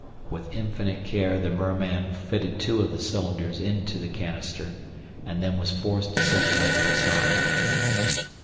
With infinite care the merman fitted two of the cylinders into the canister and then was forced to set the other aside.